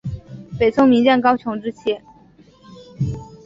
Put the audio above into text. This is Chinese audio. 北宋名将高琼之妻。